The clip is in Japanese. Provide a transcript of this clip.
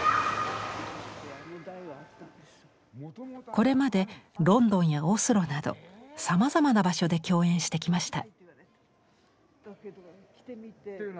これまでロンドンやオスロなどさまざまな場所で共演してきました。